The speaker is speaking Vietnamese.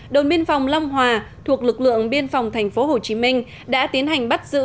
đồn biên phòng long hòa thuộc lực lượng biên phòng tp hcm đã tiến hành bắt giữ